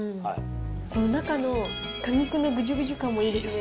この中の果肉のぐじゅぐじゅ感もいいですね。